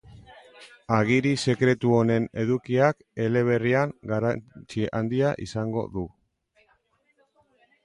Agiri sekretu honen edukiak eleberrian garrantzi handia izango du.